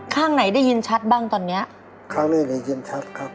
ข้างไหนได้ยินชัดบ้างตอนเนี้ยข้างแรกได้ยินชัดครับ